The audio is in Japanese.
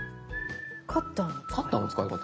「カッターの使い方」。